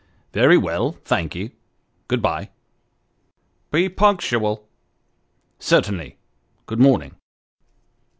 ' Very well thank ye good bye." ' Be punctual." ' Certainly : good morning."